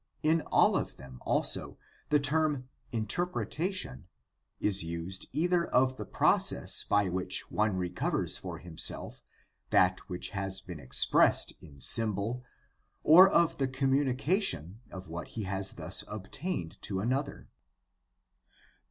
In all of them, also, the term "interpretation" is used either of the process by which one recovers for himself that which has been expressed in symbol or of the communication of what he has thus obtained to another.